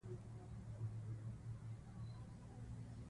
په پوره امانتدارۍ سره یې وساتو.